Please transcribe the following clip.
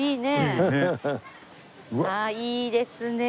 ああいいですね。